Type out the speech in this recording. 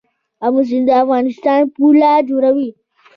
امو سیند د افغانستان پوله جوړوي.